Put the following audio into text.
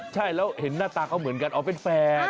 ใช่แล้วเห็นหน้าตาเขาเหมือนกันอ๋อเป็นแฟน